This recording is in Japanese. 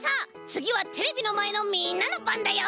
つぎはテレビのまえのみんなのばんだよ！